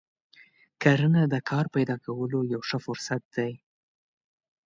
کرنه د کار پیدا کولو یو ښه فرصت دی.